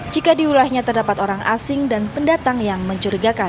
jika di wilayahnya terdapat orang asing dan pendatang yang mencurigakan